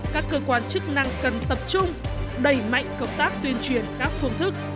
các cơ quan chức năng cần tập trung đẩy mạnh công tác tuyên truyền các phương thức